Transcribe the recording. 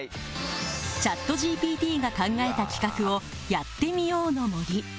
ＣｈａｔＧＰＴが考えた企画をやってみようの森。